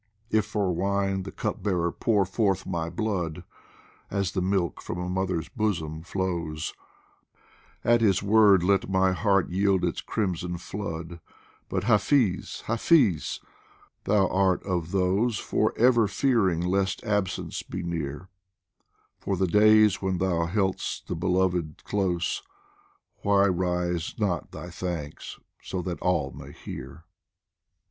If for wine the Cup bearer pour forth my blood, As the milk from a mother's bosom flows, At his word let my heart yield its crimson flood. But, Hafiz, Hafiz ! thou art of those For ever fearing lest absence be near ; For the days when thou held'st the Beloved close, Why rise not thy thanks so that all may hear